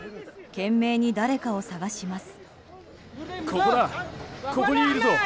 懸命に誰かを捜します。